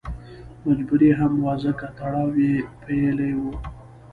مجبوري هم وه ځکه تړاو یې پېیلی و.